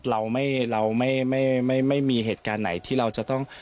เราไม่เราไม่ไม่ไม่ไม่ไม่มีเหตุการณ์ไหนที่เราจะต้อง